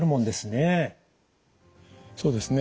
そうですね。